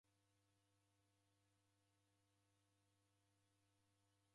Naghenda ikanisenyi kila jumapili.